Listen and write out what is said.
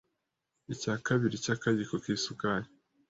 ikcyakabiri cy’akayiko k’isukari